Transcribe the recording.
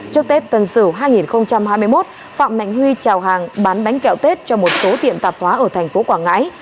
trước tết tân sửu hai nghìn hai mươi một phạm mạnh huy trào hàng bán bánh kẹo tết cho một số tiệm tạp hóa ở thành phố quảng ngãi